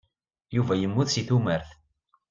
Yuba yemmut seg tumert.